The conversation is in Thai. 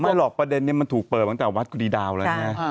ไม่หรอกประเด็นเนี่ยมันถูกเปิดตั้งแต่วัฒน์กุฎีดาวเลยเนี่ย